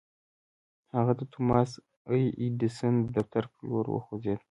هغه د توماس اې ايډېسن د دفتر پر لور وخوځېد.